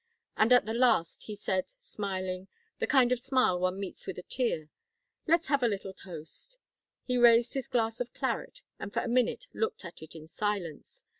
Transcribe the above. And at the last he said, smiling the kind of smile one meets with a tear "Let's have a little toast." He raised his glass of claret and for a minute looked at it in silence.